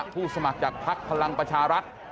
ผู้สมัครจากภักดิ์พลังประชารัฐ